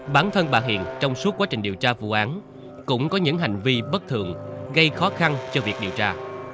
bản thân bà hiền trong suốt quá trình điều tra vụ án cũng có những hành vi bất thường gây khó khăn cho việc điều tra